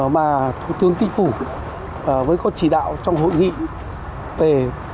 mà thủ tướng kinh phủ với con chỉ đạo trong hội nghị về